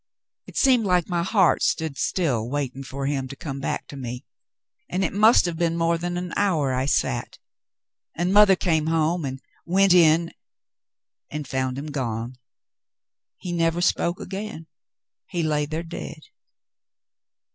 It seemed like my heart stood still waiting for him to come back to me, and it must have been more than an hour I sat, and mother came home and went in and found him gone. He never spoke again. He lay there dead."